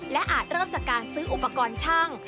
และอาจเริ่มจากการซื้ออุปกรณ์ช่าง